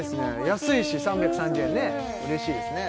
安いし３３０円ね嬉しいですね